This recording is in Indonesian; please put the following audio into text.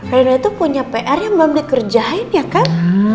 rina tuh punya pr yang belum dikerjain ya kan